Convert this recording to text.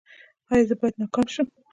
ایا زه باید ناکام شم؟